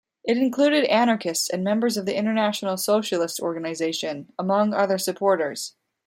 It included anarchists and members of the International Socialist Organization, among other supporters.